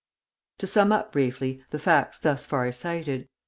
To sum up briefly the facts thus far cited.